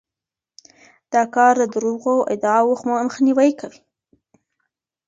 دا کار د دروغو ادعاوو مخنیوی کوي.